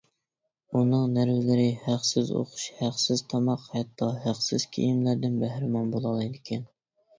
ئۇنىڭ نەۋرىلىرى ھەقسىز ئوقۇش، ھەقسىز تاماق ھەتتا ھەقسىز كىيىملەردىن بەھرىمەن بولالايدىكەن.